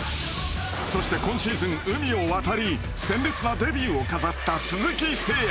そして今シーズン海を渡り鮮烈なデビューを飾った鈴木誠也。